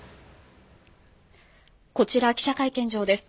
こちら記者会見場です。